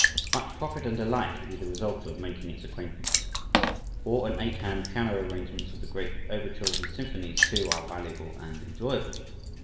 Much profit and delight will be the result of making its acquaintance. Four and eight hand piano arrangements of the great overtures and symphonies, too, are valuable and enjoyable.